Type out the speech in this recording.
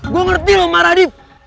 gue ngerti lo marah dip